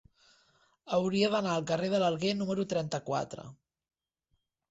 Hauria d'anar al carrer de l'Alguer número trenta-quatre.